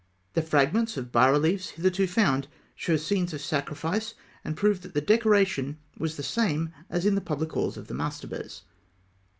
The fragments of bas reliefs hitherto found show scenes of sacrifice, and prove that the decoration was the same as in the public halls of the mastabas.